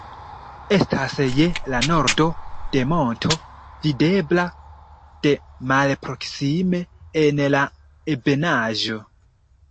Estas je la nordo de monto videbla de malproksime en la ebenaĵo.